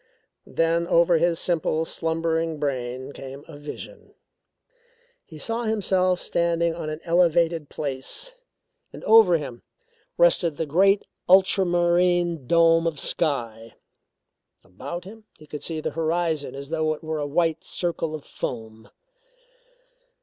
Then over his simple, slumbering brain came a vision. He saw himself standing on an elevated place and over him rested the great ultramarine dome of sky. About him he could see the horizon as though it were a white circle of foam.